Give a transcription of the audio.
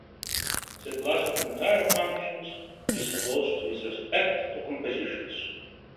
The class of entire functions is closed with respect to compositions.